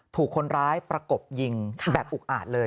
ถูกคนร้ายประกบยิงแบบอุกอาจเลย